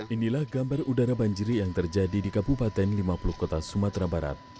inilah gambar udara banjiri yang terjadi di kabupaten lima puluh kota sumatera barat